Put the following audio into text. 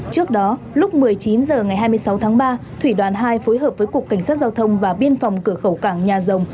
trước đó lúc một mươi chín h ngày hai mươi sáu tháng ba thủy đoàn hai phối hợp với cục cảnh sát giao thông và biên phòng cửa khẩu cảng nhà rồng